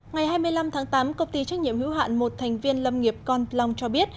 ngày hai mươi năm tháng tám công ty trách nhiệm hữu hạn một thành viên lâm nghiệp con plong cho biết